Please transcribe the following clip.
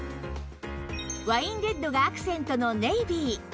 ワインレッドがアクセントのネイビー